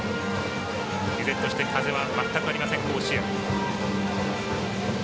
依然として風は全くありません、甲子園。